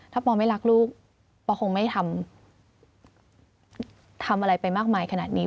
ถ้าปอไม่รักลูกปอคงไม่ทำอะไรไปมากมายขนาดนี้